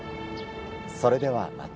それではまた。